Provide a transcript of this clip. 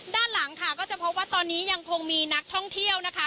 ด้านหลังค่ะก็จะพบว่าตอนนี้ยังคงมีนักท่องเที่ยวนะคะ